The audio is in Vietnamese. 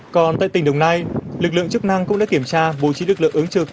còn tại tỉnh đồng nai lực lượng chức năng cũng đã kiểm tra bố trí lực lượng ứng trực